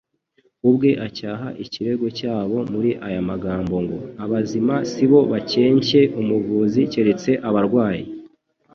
ubwe acyaha ikirego cyabo muri aya magambo ngo : "Abazima sibo bakencye umuvuzi keretse abarwayi.